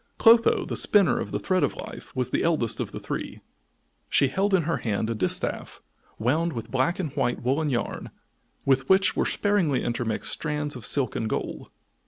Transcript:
Clotho, the spinner of the thread of life, was the eldest of the three. She held in her hand a distaff, wound with black and white woollen yarn, with which were sparingly intermixed strands of silk and gold.